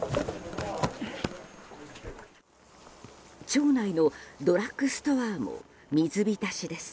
町内のドラッグストアも水浸しです。